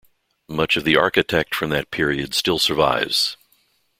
Much of the architect from that period still survives.